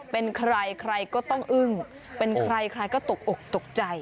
เป็นใครใครก็ต้องอึ้งเป็นใครใครก็ตกอกตกใจ